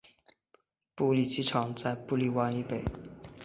布利机场在布利湾以北。